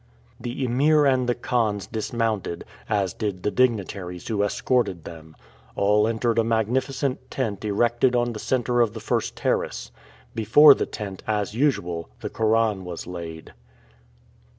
The Emir and the Khans dismounted, as did the dignitaries who escorted them. All entered a magnificent tent erected on the center of the first terrace. Before the tent, as usual, the Koran was laid.